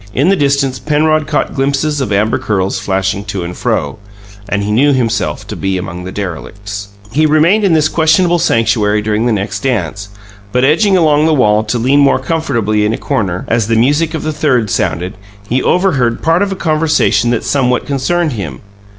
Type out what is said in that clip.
In the distance Penrod caught glimpses of amber curls flashing to and fro, and he knew himself to be among the derelicts. He remained in this questionable sanctuary during the next dance; but, edging along the wall to lean more comfortably in a corner, as the music of the third sounded, he overheard part of a conversation that somewhat concerned him.